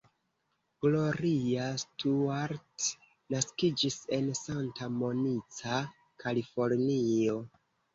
Gloria Stuart naskiĝis en Santa Monica, Kalifornio.